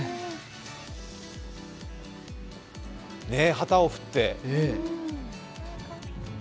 旗を振って。